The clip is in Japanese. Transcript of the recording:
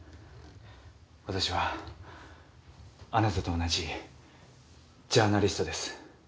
私はあなたと同じジャーナリストです。